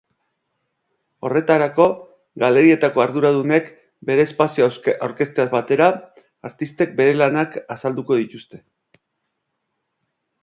Horretarako, galerietako arduradunek bere espazioa aurkezteaz batera artistek bere lanak azalduko dituzte.